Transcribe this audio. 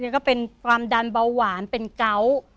ก็เป็นความดันเบาหวานเป็นเกาะ